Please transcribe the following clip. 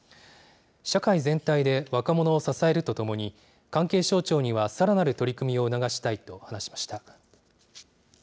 社会全体で、若者を支えるとともに、関係省庁にはさらなる取り組みを促したいと話しました。